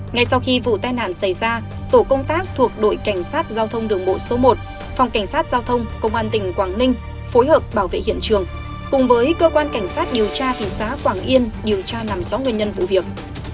ngay sau khi vụ tai nạn xảy ra tổ công tác thuộc đội cảnh sát giao thông đường bộ số một phòng cảnh sát giao thông công an tỉnh quảng ninh phối hợp bảo vệ hiện trường cùng với cơ quan cảnh sát điều tra thị xã quảng yên điều tra làm rõ nguyên nhân vụ việc